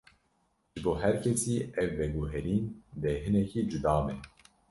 Ji bo her kesî, ev veguherîn dê hinekî cuda be.